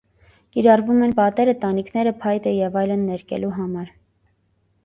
Կիրառվում են պատերը, տանիքները, փայտը և այլն ներկելու համար։